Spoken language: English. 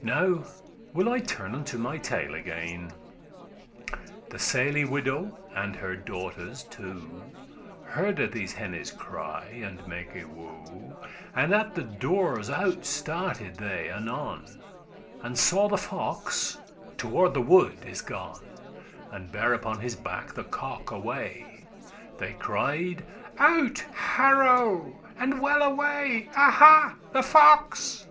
Now will I turn unto my tale again; The sely* widow, and her daughters two, *simple, honest Hearde these hennes cry and make woe, And at the doors out started they anon, And saw the fox toward the wood is gone, And bare upon his back the cock away: They cried, "Out! harow! and well away! Aha! the fox!"